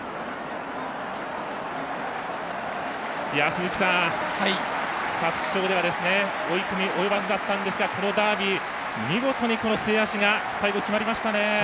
鈴木さん、皐月賞では追い込み及ばずだったんですがこのダービー見事にこの末脚が決まりましたね。